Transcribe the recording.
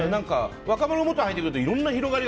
若者がもっと入ってくるといろんな広がり